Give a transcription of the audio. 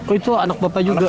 oh itu anak bapak juga